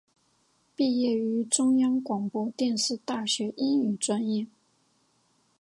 毕业于中央广播电视大学英语专业。